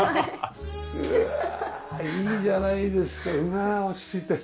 うわいいじゃないですか落ち着いて。